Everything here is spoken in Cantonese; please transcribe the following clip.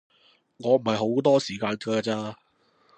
我唔係好多時間㗎咋